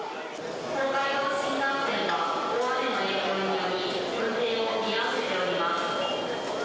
東海道新幹線は、大雨の影響により、運転を見合わせております。